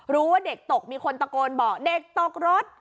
ว่าเด็กตกมีคนตะโกนบอกเด็กตกรถ